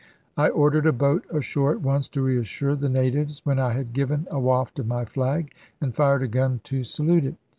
I ordered a boat ashore at once, to reassure the natives, when I had given a waft of my flag, and fired a gun to salute it.